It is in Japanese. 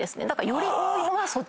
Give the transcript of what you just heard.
より多いのがそっち。